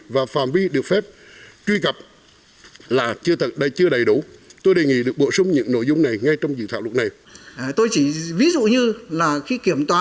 và phàm vi được phép truy cập là chưa đầy đủ tôi đề nghị được bổ sung những nội dung này ngay trong dự thảo lục này